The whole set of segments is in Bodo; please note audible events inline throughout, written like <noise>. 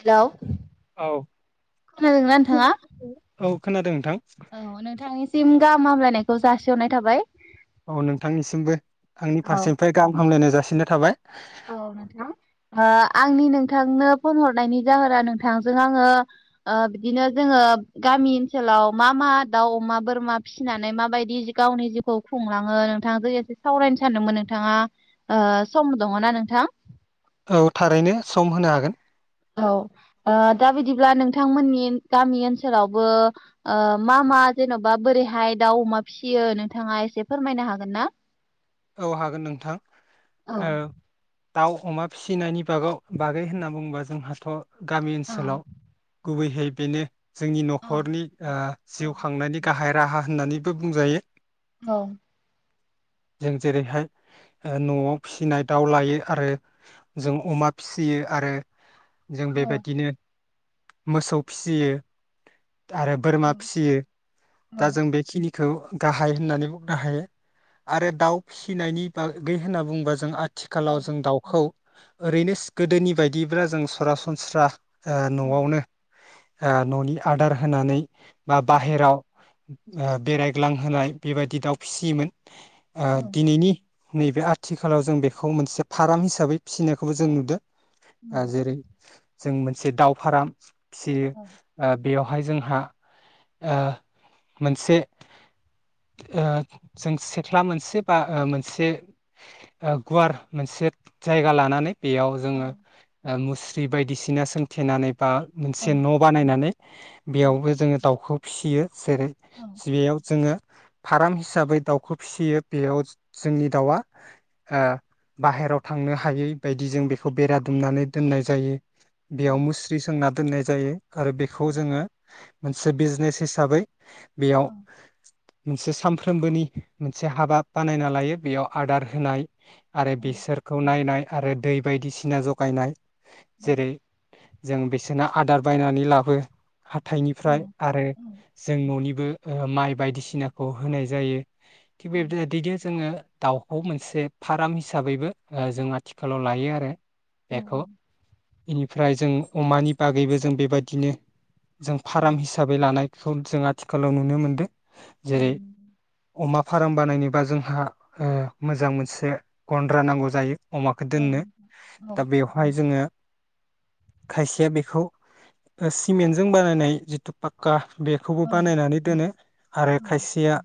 हेलौ औ खोनादोंना नोंथाङा औ खोनादों नोंथां औ नोंथांनिसिम गाम हामलायनायखौ जासिहरनाय थाबाय। औ नोंथांनिसिमबो आंनि फारसेनिफ्राय गाहाम हामलायनाय जा जासिनाय थाबाय। औ नोंथां ओ आंनि नोंथांनो फन हरनायनि जाहोना नोंथांजों आङो ओ बिदिनो जोङो गामि ओनसोलाव मा मा दाउ अमा बोरमा फिसिनानै माबायदि गावनि जिउखौ खुंलाङो नोंथांजों एसे सावरायनो सानदोंमोन नोंथाङा ओ सम दङ ना नोंथां। औ थारैनो सम होनो हागोन औ ओ दा बिदिब्ला नोंथांमोननि गामि ओनसोलावबो ओ मा मा जेन'बा बोरैहाय दाउ अमा फिसियो नोंथाङा एसे फोरमायनो हागोन ना औ हागोन नोंथां औ ओ दाउ अमा फिसिनायनि बागाव बागै होनना बुङोबा जोंहाथ' गामि औ ओनसोलाव गुबैहै बेनो जोंनि औ न'खरनि ओ औ जिउ खांनायनि गाहाय राहा होननानैबो बुंजायो। औ। जों जेरैहाय ओ न'आव फिसिनाय दाउ लायो आरो जों अमा फिसियो आरो जों औ बेबायदिनो मोसौ फिसियो आरो बोरमा फिसियो औ दा जों बेखिनि खौ गाहाय होननानै बुंनो हायो। आरो दाउ फिसिनायनि बागै होनना बुंङोबा जों आ थिखालाव जों दाउखौ ओरैनो गोदोनि बायदिब्ला जों सरासनस्रा आ न'आवनो। न'नि आदार होनानै बा बाहेराव बेरायग्लां होनाय बेबायदि दाउ फिसियोमोन। औ दिनैनि नैबे आथिखालाव जों बेखौ मोनसे फाराम हिसाबै फिसिनायखौबो जों नुदों। औ आ जेरै जों मोनसे दाउ फाराम फिसियो औ बेयाव बेवहाय जोंहा मोनसे जों सेथ्ला मोनसे बा मोनसे गुवार मोनसे जायगा लानानै बेयाव औ जोङो मुस स्रि बायदिसिना सोंथेनानै बा औ मोनसे न' बानायनानै औ बेयावबो जोङो दाउखौ फिसियो। जेरै औ गिबियाव जोङो फाराम हिसाबै दाउखौ फिसियो बेयाव जोंनि दाउआ बाहेराव थांनो हायै बायदि जों बेखौ बेरा दुमनानै दोननाय जायो। औ बेयाव मुस्रि सोंना दोननाय जायो। आरो बेखौ जोङो मोनसे बिजनेस हिसाबै बेयाव मोनसे सानफ्रोमबोनि मोनसे हाबा बानायना लायो बेयाव आदार होनाय आरो बिसोरखौ नायनाय आरो दै बायदिसिना जगायनाय जेरै जों बिसोरनो आदार बायनानै लाबो हाथाइनिफ्राय आरो जों न'निबो माइ बायदिसिनाखौ होनाय जायो। <unintelligible> दाउखौ मोनसे फार्म हिसाबैबो जों आथिखालाव लायो आरो बेखौ औ बेनिफ्राय जों अमानि बागैबो जों बेबायदिनो जों फार्म हिसाबै लानाय सब जों आथिखालाव नुनो मोन्दों जेरै अमा फार्म बानायनोबा जोंहा मोजां मोनसे गन्द्रा नांगौ जायो अमाखौ दोननो दा बेवहाय जोङो खायसेया बेखौ सिमेन्टजों बानायनाय जिथु पाक्का बेखौबो बानायनानै दोनो आरो खायसेया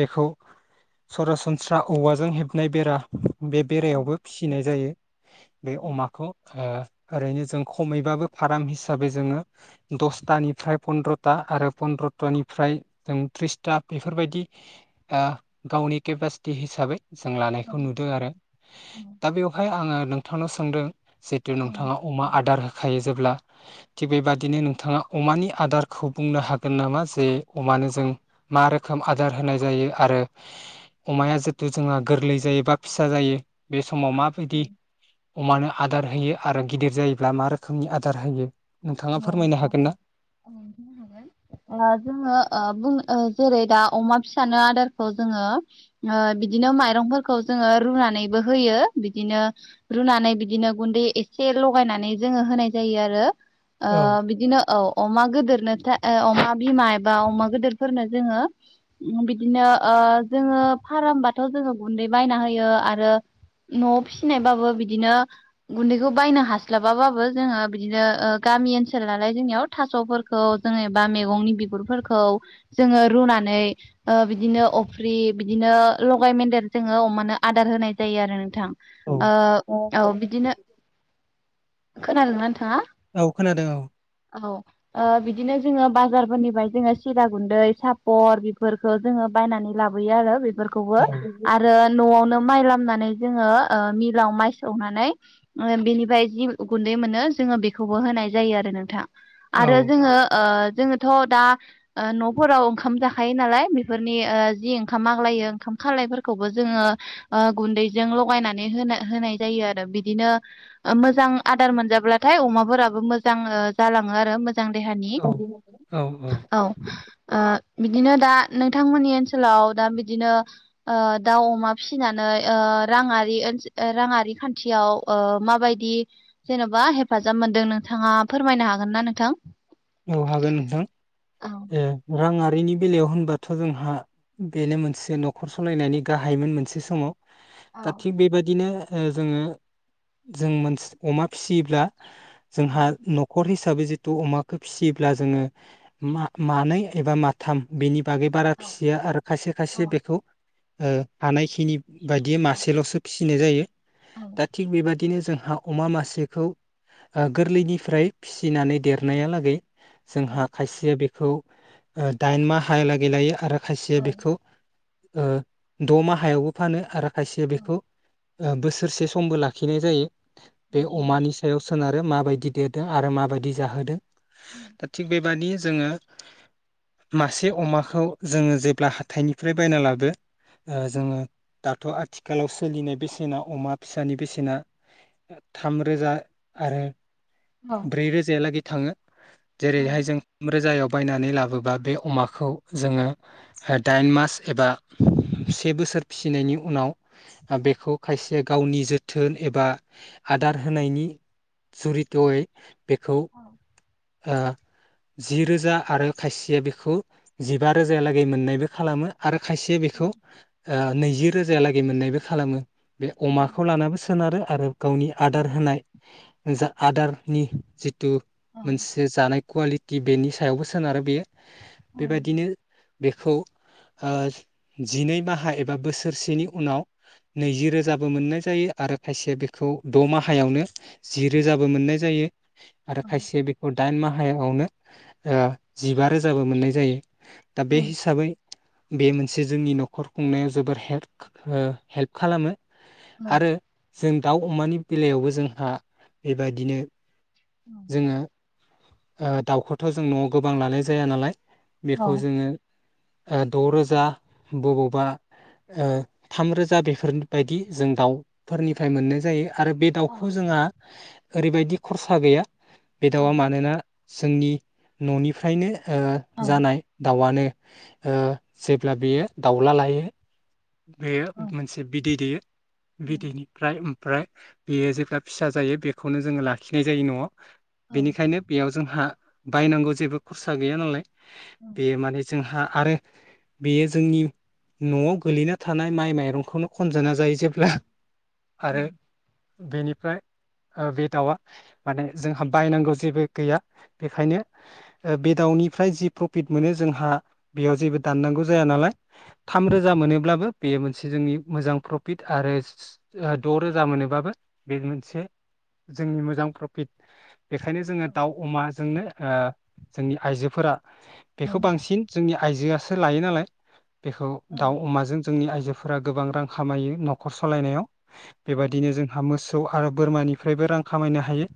बेखौ सरासनस्रा औवाजों हेबनाय बेरा बे बेरायावबो फिसिनाय जायो बे अमाखौ ओरैनो जों खमैबाबो फार्म हिसाबै जोङो दसथानिफ्राय फन्दद्रथा आरो पन्द्रथानिफ्राय जों त्रिसथा बेफोरबायदि गावनि केपासिटि हिसाबै जों लानायखौ नुदों आरो दा बेवहाय आङो नों थानो सानदों जिथु नोंथाङा अमा आदार हो होखायो जेब्ला थिग बेबादिनो नोंथाङा अमानि आदारखौ बुंनो हागोन नामा जे अमानो जों मा रोखोम रोखोम आदार होनाय जायो आरो अम जिथु जोंहा गोरलै जायो बा फिसा जायो बे समाव औ माबायदि अमानो आदार होयो आरो गिदिर जायोब्ला मा रोखोमनि आदार होयो नोंथाङा फोरमायनो हागोन ना औ नोंथां जोङो जेरै दा अमा फिसानो आदारखौ जोङो बिदिनो माइरंफोरखौ जोङो रुनानैबो होयो बिदिनो रुनानै बिदिनो गुन्दै एसे लगायनानै जोङो होनाय जायो आरो औ ओ बिदिनो औ अमा गिदोर अमा बिमा एबा अमा गिदिरफोरनो जोङो बिदिनो जोङो फारामबाथ' जोङो गुन्दै बायना होयो आरो न'आव फिसिनायबाबो बिदिनो गुन्दैखौ बायनो हास्लाबाबाबो जोङो बिदिनो गामि ओनसोल नालाय जोंनियाव थास'फोरखौ जों एबा मैगंनि बिगुरफोरखौ जोङो रुनानै बिदिनो अफ्रि बिदिनो लगाय मेदेर जोङो अमानो आदार होनाय जायो आरो नोंथां औ बिदिनो खोनादोंना नोंथाङा औ खोनादों औ औ आ बिदि बिदिनो जोङो बाजारफोरनिफ्राय जोङो सिरा गुन्दै सापर बेफोरखौ जोङो बायनानै लाबोयो आरो बे फोरखौबो औ आरो न'आवनो माइ लामनानै जोङो मिलाव माइ सौनानै बेनिफ्राय जि गुन्दै मोनो जोङो बेखौ खौबो होनाय जायो आरो नोंथां। औ आरो जोङो जोङोथ' दा ओ न'फोराव ओंखाम जाखायो नालाय बेफोरनि ओ जि ओंखाम आग्लायो ओंखाम खालायफोरखौबो जोङो ओ गुन्दैजों लगायनानै होन होनाय जायो आरो बिदिनो मोजां आदार मोनजाब्लाथाय अमा। फोराबो मोजां ओ जालाङो आरो। जां देहानि औ ओ। बिदिनो दा नोंथांमोननि ओनसोलाव दा बिदिनो ओ दाउ अमा फिसिनानै ओ राङारिओ राङारि खान्थियाव ओ माबायदि जेन'बा हेफा जां मोन्दों नोंथाङा फोरमायनो हागोन ना नोंथां। औ हागोन नोंथां औ ए रां आ। खैनि बेलायाव होनबाथ' जोंहा बेनो मोनसे न'खर सलायनायनि गाहायमोन मोनसे समाव। औ दा थिग बेबादिनो। ओ जोङो जों मोनसि अमा फिसियोब्ला। औ जोंहा न'खर। थाबि जिथ अमा। खौ फिसियोब्ला जोङो मा मानै एबा माथाम बेनि। बागै बारा औ फिसिया आरो खायसे औ खायसे बेखौ। ओ हानायखिनि। बायदि मासेल'सो फिसि। नाय जायो। औ दा थिक बिबा। बिदिनो जोंहा अमा मासेखौ ओ गोरलैनिफ्राय फिसिनानै देरनाया लाग। दै। जोंहा खायसेया बे। खौ ओ दाइन माहा लागै लायो आरो। खायसे बेखौ। द'माहायावबो फानो आरो। खायसे बेखौ। ओ बोसोरसे समबो लाखिनाय जायो। बे अमानि सायाव सोना। माबायदि देरदों आरो माबाय। दि जाहोदों। दा थि बे। नि जोङो मासे अमाखौ जोङो जेब्ला हाथायनिफ्राय बायना लाबो ओ जोङो दाथ' आथिखालाव सोलिनाय बेसेना अमा फिसानि बेसेना थामरोजा आरो। औ ब्रै रोजायालागै। थाङो। औ जेरैहाय जों रोजायाव। बायनानै लाबोबा बे अमाखौ जोङो दाइन मास एबा से बोसोर फिसिनायनि उनाव ओ बेखौ खायसे गावनि जोथोन एबा आदार होनायनि जुरित'यै। बेखौ आ जि रोजा आरो खायसेया बेखौ जिबा रोजायालागै मोननायबो खालामो आरो खायसे बेखौ ओ नैजि रोजाया लागै मोननायबो खालामो बे अमाखौ लानानो सोनारो आरो गावनि आदार होनाय जा आदारनि जिथु मोनसे जानाय कुवालिटि बेनि सायावबो सोनारो बेयो बेबायदिनो बे बेखौ आ जिनै माहा एबा बोसोरसेनि उनाव नैजि रोजाबो मोननाय जायो आरो खायसेया बेखौ द' माहायावनो जि रोजाबो मोननाय जायो। आरो खायसे बि दाइन माहायावनो जिबा ओ रोजाबो मोननाय जायो दा बे हिसाबै बे मोनसे जोंनि न'खर खुंनायाव जोबोर हेल्प ओ हेल्प खालामो। आरो जों दाउ अमानि बेलायावबो जोंहा बेबादिनो जोङो ओ दाउखौथ' जों न'आव गोबां लानाय जाया नालाय। बेखौ जोङो ओ द' रोजा बबावबा ओ थामरोजा बे फोरबायदि जों दाउ फोरनिफ्राय मोननाय जायो। आरो बे दाउखौ जोंहा ओरैबायदि खरसा गैया। बे दाउ आ मानोना जोंनि न'निफ्रायनो ओ जानाय दाउआनो ओ जेब्ला बियो दाउला लायो। बेयो मोनसे बिदै दैयो। बिदैनिफ्राय ओमफ्राय बेयो जेब्ला फिसा जायो बेखौनो जोङो लाखिनाय जायो न'आव बेनिखायनो जोंहा बायनांगौ जेबो खरसा गैया नालाय बे माने जोंहा आरो बेयो जोंनि नआव गोलैना थानाय माइ माइरंखौनो खनजाना जायो जेब्ला आरो बेनिफ्राय ओ बे दाउआ माने जोंहा बायनांगौ जेबो गैया बेखायनो ओ बे दाउनिफ्राय जि प्रफिट मोनो जोंहा बेयाव जेबो दाननांगौ जाया नालाय थाम रोजा मोनोब्लाबो बेयो मोनसे जोंनि मोजां प्रफिट आरो द रोजा मोनोब्लाबो बे मोनसे जोंनि मोजां प्रफिट बेखायनो जोङो दाउ अमाजोंनो ओ जोंनि आइजोफोरा बेखौ बांसिन जोंनि आइजोआसो लायो नालाय बेखौ दाउ अमाजों जोंनि आइजोफोर फोरा गोबां रां खामायो नखर सालायनायाव बेबायदिनो जोंहा मोसौ आरो बोरमानिफ्रायबो रां खामायनो हायो।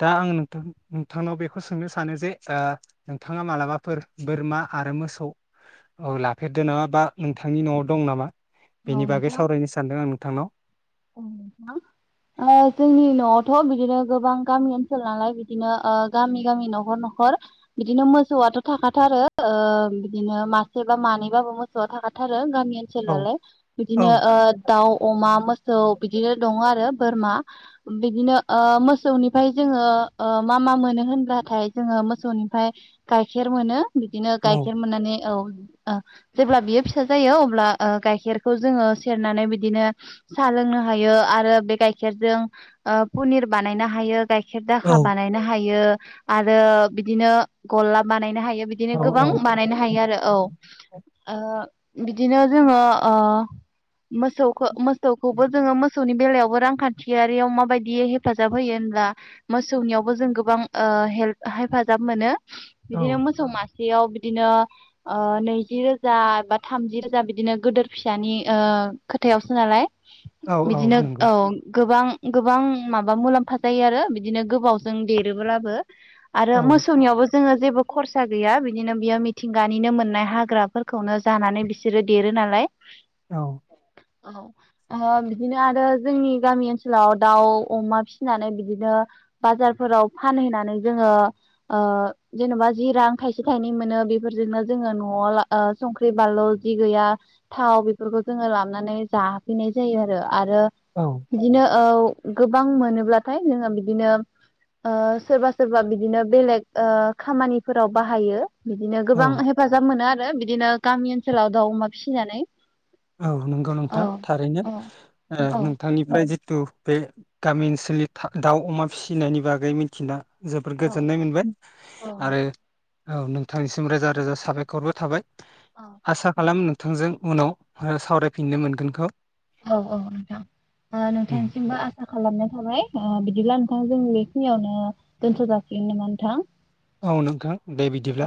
दा आंनो नोंथांनाव बेखौ सोंनो सानो जे ओ नोंथाङा मालाबाफोर बोरमा आरो मोसौ लाफेरदो नामा बा नोंथांनि नआव दं नामा? बेनि बागै सावरायनो सानदों आं नोंथांनाव औ नोंथां ओ जोंनि नआवथ' बिदिनो गोबां गामि ओनसोल नालाय बिदिनो ओ गामि गामि नखर नखर बिदिनो मोसौआथ' थाखाथारो ओ बिदिनो मासे बा मानैबाबो मोसौआ थाखाथारो गामि ओनसोल औ नालाय औ बिदिनो दाउ अमा मो सौ बिदिनो दङ आरो बोरमा बिदिनो ओ मोसौनिफ्राय जोङो ओ मा मा मोनो होनब्लाथाय जोङो मोसौनिफ्राय गाइखेर मोनो। बिदिनो औ गाइखेर मोननानै औ- ओ जेब्ला बियो फिसा जायो अब्ला ओ गाइखेरखौ जोङो सेरनानै बिदिनो साहा लोंनो हायो आरो बे गाइखेरजों ओ पनिर बानायनो हायो। गाइखेर दाखा औ बानायनो हायो। आरो बिदिनो गला बानायनो हायो। बे बिदिनो औ गोबां बानायनो हायो आरो औ बिदिनो जोङो ओ मोसौखो मोसौ मौसौखौबो जोङो मो मोसौनि बेलायावबो रांखान्थियारियाव माबायदि हेफाजाब होयो होनब्ला मोसौनियावबो जों गोबां ओ हेल्प हेफाजाब मोनो। औ बिदिनो मोसौ मासे सेयाव बिदिनो ओ नैजि रोजा बा थामजि रोजा बिदिनो गोदोर फिसानि ओ खोथायावसो नालाय औ औ बिदिनो नंगौ औ गोबां गोबां माबा मुलाम्फा जायो आरो बिदिनो गोबावजों देरोब्लाबो। आरो औ मोसौनियावबो जोङो जेबो खरसा गैया बिदिनो बियो मिथिंगानिनो मोननाय हाग्राफोरखौनो जानानै बिसोरो देरो नालाय औ औ ओ बिदिनो आरो जोंनि गामि ओनसोलाव दाउ अमा फिसिनानै बिदिनो बाजारफोराव फानहैनानै जोङो ओ जेनबा जि रां थायसे थायनै मोनो बेफोरजोंनो जोङो नआव ओ संख्रि बानलु जि गैया थाव बेफोरखौ जोङो लाबानै जा नाय जायो आरो आरो औ बिदिनो औ गोबां मोनोब्लाथाय जोङो बिदिनो ओ सोरबा सोरबा बिदिनो बेलेग ओ खामानिफोराव बाहायो। बिदिनो औ गोबां हेफाजाब मोनो आरो बिदिनो गामि ओनसोलाव दाउ अमा फिसिनानै औ नंगौ नोंथां दा थारैनो ओ नोंथांनिफ्राय थु बे गामि ओनसोलनि था-दाउ अमा फिसिनायनि बागै मिथिना जोबोर गोजोननाय मोनबाय आरो औ नोंथांनिसिम रोजा रोजा साबायखरबो थाबाय आसा खालामो नों थांजों उनाव आरो सावरायफिननो मोनगोनखौ औ औ नोंथां ओ नोंथांसिमबो आसा खालामनाय थाबाय ओ बिदिब्ला नोंथां जोंनि खिनियावनो दोनथ' जासिगोन नामा नोंथां? औ नोंथां दे बिदिब्ला।